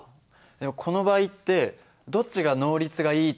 でもこの場合ってどっちが能率がいいっていえるの？